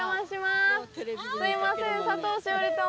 すいません。